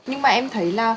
nhưng mà em thấy